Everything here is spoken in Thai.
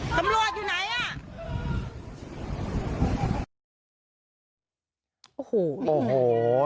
คำรวจอยู่ไหน